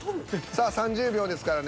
さあ３０秒ですからね。